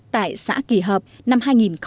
tại xã kỳ hợp năm hai nghìn một mươi chín